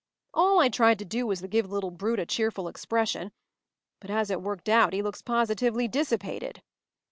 ” “All I tried to do was to give the little brute a cheerful expression. But, as it worked out, he looks positively dissipated.